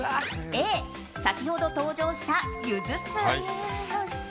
Ａ、先ほど登場したゆず酢。